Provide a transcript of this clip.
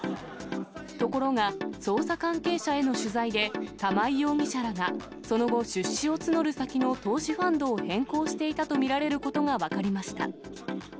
ところが捜査関係者への取材で、玉井容疑者らがその後、出資を募る先の投資ファンドを変更していたと見られることが分かりました。